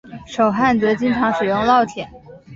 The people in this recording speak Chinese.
手焊则经常使用烙铁。